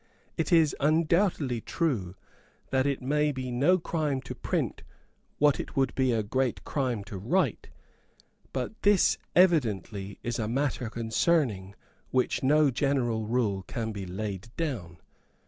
It is undoubtedly true that it may be no crime to print what it would be a great crime to write. But this is evidently a matter concerning which no general rule can be laid down.